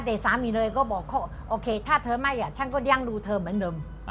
แต่สามีเลยก็บอกเขาโอเคถ้าเธอไม่ฉันก็เลี้ยงดูเธอเหมือนเดิม